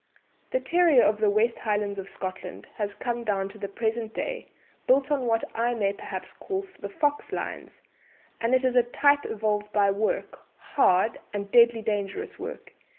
"The terrier of the West Highlands of Scotland has come down to the present day, built on what I may perhaps call the fox lines, and it is a type evolved by work hard and deadly dangerous work.